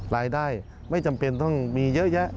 รายได้ไม่จำเป็นต้องมีเยอะแยะ